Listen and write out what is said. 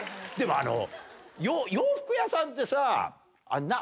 でも洋服屋さんってさ。